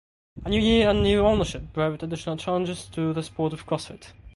A new year and new ownership brought additional changes to the sport of Crossfit.